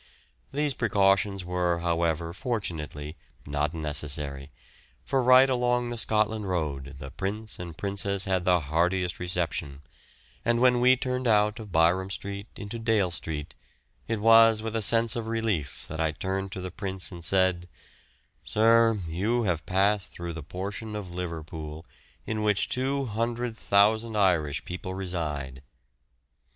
These precautions were however fortunately not necessary, for right along Scotland Road the Prince and Princess had the heartiest reception, and when we turned out of Byrom Street into Dale Street it was with a sense of relief that I turned to the Prince and said, "Sir, you have passed through the portion of Liverpool in which 200,000 Irish people reside."